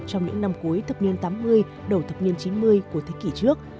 trong những năm cuối thập niên tám mươi đầu thập niên chín mươi của thế kỷ trước